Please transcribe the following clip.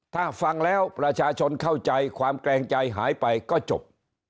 ถ้าฟังแล้วประชาชนเข้าใจความแกรงใจหายไปก็จบ